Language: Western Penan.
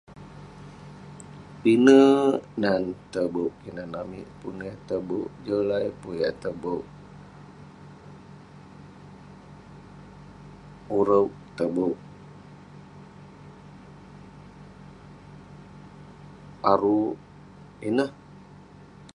Pinek nan tobouk kinan amik, pun yah tobouk jolai, pun yan tobouk....ureuk, tobouk....aruk. Ineh.